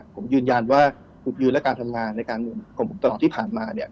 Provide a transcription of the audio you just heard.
ผมยืนยันว่าถูกยืนและการทำงานในการเงินของผมตลอดที่ผ่านมา